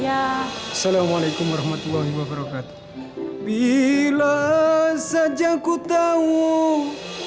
assalamualaikum warahmatullahi wabarakatuh